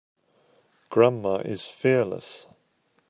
Grandma is fearless.